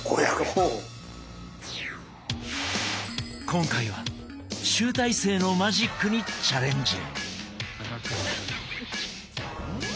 今回は集大成のマジックにチャレンジ！